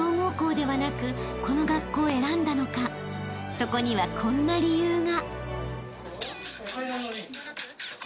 ［そこにはこんな理由が］